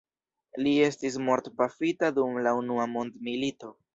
Li estis mortpafita dum la unua mondmilito.